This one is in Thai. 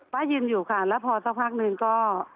ป๊ายยินอยู่ค่ะแล้วพอก็